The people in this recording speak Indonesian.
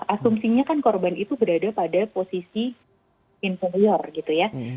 asumsinya kan korban itu berada pada posisi interior gitu ya